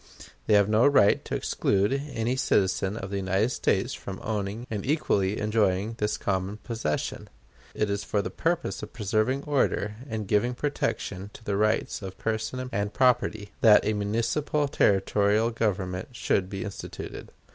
They have no right to exclude any citizen of the United States from owning and equally enjoying this common possession; it is for the purpose of preserving order, and giving protection to rights of person and property, that a municipal territorial government should be instituted.